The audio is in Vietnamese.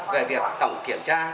về việc tổng kiểm tra